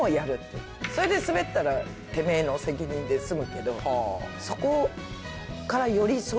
それでスベったらてめえの責任で済むけど。